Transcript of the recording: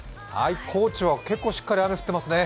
高知は結構しっかり雨降ってますね。